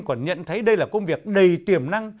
còn nhận thấy đây là công việc đầy tiềm năng